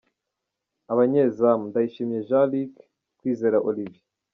Abanyezamu: Ndayishimiye Jean Luc, Kwizera Olivier.